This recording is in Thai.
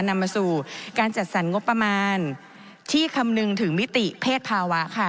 นำมาสู่การจัดสรรงบประมาณที่คำนึงถึงมิติเพศภาวะค่ะ